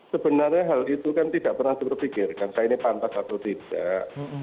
sebenarnya hal itu kan tidak pernah terpikirkan saya ini pantas atau tidak